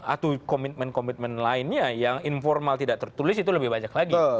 atau komitmen komitmen lainnya yang informal tidak tertulis itu lebih banyak lagi